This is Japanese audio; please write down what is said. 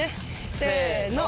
せの。